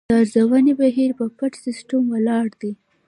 د ارزونې بهیر په پټ سیستم ولاړ دی.